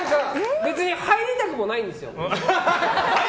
別に入りたくもないんですよ。